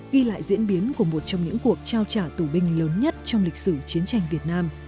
ghi lại diễn biến của một trong những cuộc trao trả tù binh lớn nhất trong lịch sử chiến tranh việt nam